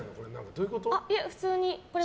どういうこと？